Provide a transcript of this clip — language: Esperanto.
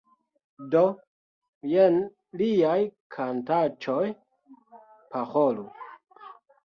Do, jen liaj kantaĉoj, Parolu